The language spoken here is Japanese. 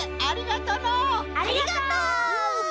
ありがとう！